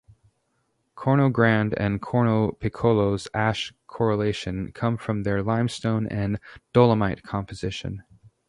Corno Grande and Corno Piccolo's ash coloration come from their limestone and dolomite composition.